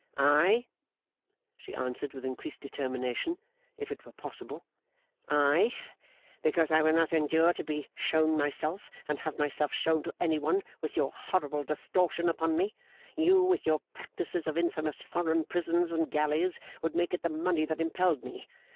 'I!' she answered, with increased determination, if it were possible. 'I, because I will not endure to be shown myself, and have myself shown to any one, with your horrible distortion upon me. You, with your practices of infamous foreign prisons and galleys would make it the money that impelled me.